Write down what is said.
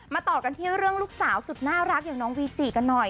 ต่อกันที่เรื่องลูกสาวสุดน่ารักอย่างน้องวีจิกันหน่อย